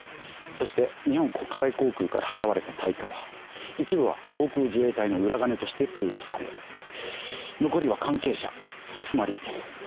そして日本国際航空から払われた対価は一部は航空自衛隊の裏金としてプールされ残りは関係者つまり。